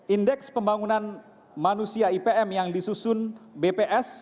indeks pembangunan manusia ipm yang disusun bps